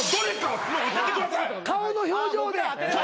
顔の表情で。